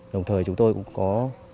đồng thời chúng tôi cũng có